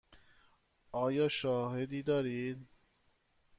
آیا شاهدی دارید؟